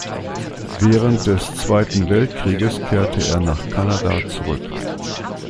Während des Zweiten Weltkrieges kehrte er nach Kanada zurück.